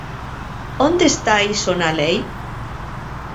¿Onde está iso na lei?